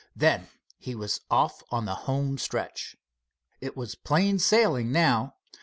Then he was off on the home stretch. It was plain sailing now.